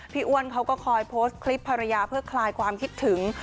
อ้วนเขาก็คอยโพสต์คลิปภรรยาเพื่อคลายความคิดถึง